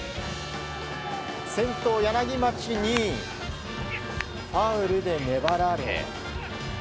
先頭、柳町にファウルで粘られ。